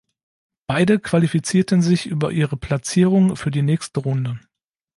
Beide qualifizierten sich über ihre Platzierung für die nächste Runde.